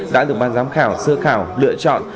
đã được ban giám khảo sơ khảo lựa chọn